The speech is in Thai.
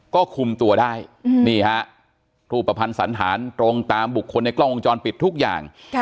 ก็คุมตัวได้นี่ฮะรูปภัณฑ์สันธารตรงตามบุคคลในกล้องวงจรปิดทุกอย่าง